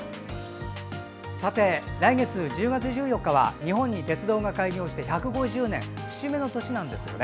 さて、来月１０月１４日は日本に鉄道が開業して１５０年の節目の年です。